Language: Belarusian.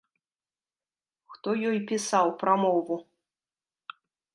Хто ёй пісаў прамову?